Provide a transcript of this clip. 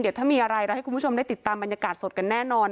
เดี๋ยวถ้ามีอะไรเราให้คุณผู้ชมได้ติดตามบรรยากาศสดกันแน่นอน